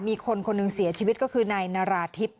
คนหนึ่งเสียชีวิตก็คือนายนาราธิบ